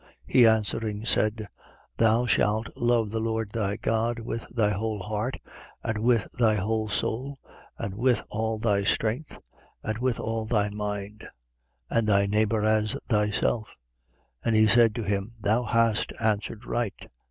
10:27. He answering, said: Thou shalt love the Lord thy God with thy whole heart and with thy whole soul and with all thy strength and with all thy mind: and thy neighbour as thyself. 10:28. And he said to him: Thou hast answered right.